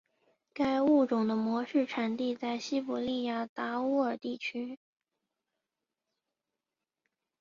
该物种的模式产地在西伯利亚达乌尔地区。